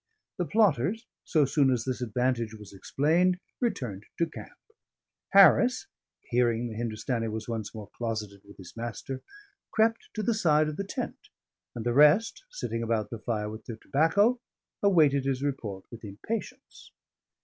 The plotters, so soon as this advantage was explained, returned to camp; Harris, hearing the Hindustani was once more closeted with his master, crept to the side of the tent; and the rest, sitting about the fire with their tobacco, awaited his report with impatience.